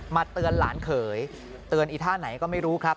เตือนหลานเขยเตือนอีท่าไหนก็ไม่รู้ครับ